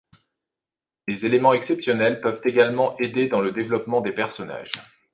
Les éléments exceptionnels peuvent également aider dans le développement des personnages.